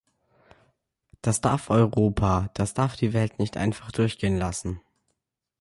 Das darf Europa, das darf die Welt nicht einfach durchgehen lassen.